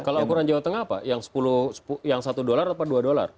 kalau ukuran jawa tengah apa yang satu dolar atau dua dolar